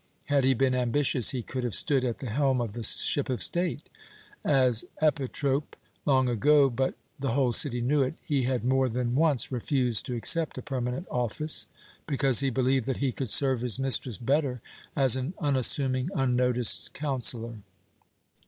Had he been ambitious, he could have stood at the helm of the ship of state, as Epitrop long ago, but the whole city knew it he had more than once refused to accept a permanent office, because he believed that he could serve his mistress better as an unassuming, unnoticed counsellor.